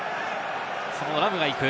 そのラムが行く。